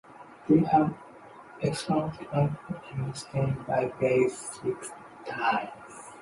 They have euchromatic nuclei and stain by basic dyes.